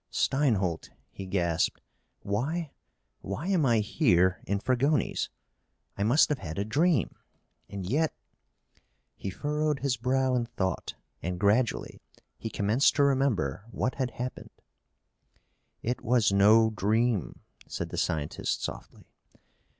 "Steinholt!" he gasped. "Why why am I here in Fragoni's? I must have had a dream and yet...." He furrowed his brow in thought and, gradually, he commenced to remember what had happened. "It was no dream," said the scientist softly.